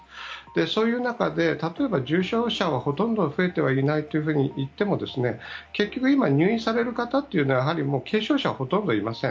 そういう中で例えば、重症者はほとんど増えていないといっても結局今、入院される方というのは軽症者はほとんどいません。